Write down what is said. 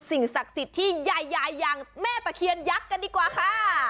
ศักดิ์สิทธิ์ที่ใหญ่อย่างแม่ตะเคียนยักษ์กันดีกว่าค่ะ